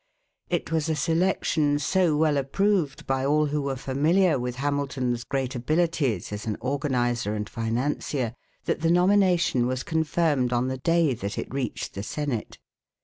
It was a selection so well approved by all who were familiar with Hamilton's great abilities as an organizer and financier that the nomination was confirmed on the day that it reached the Senate.